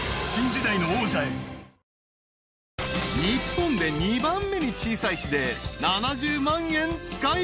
［日本で２番目に小さい市で７０万円使いきれ］